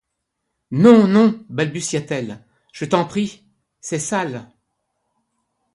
Non, non, balbutia-t-elle, je t’en prie… c’est sale…